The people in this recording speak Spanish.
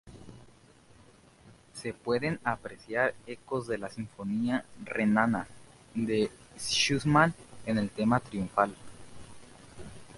Se pueden apreciar ecos de la Sinfonía "Renana" de Schumann en el tema triunfal.